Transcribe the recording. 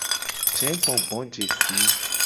Jegbogbojesi.